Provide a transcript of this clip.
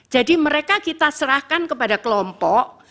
jadi mereka kita serahkan kepada kelompok